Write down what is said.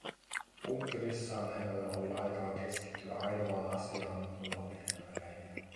Bunkkerissaan hänellä oli aikaa keskittyä ainoaan asiaan, jolla oli hänelle väliä: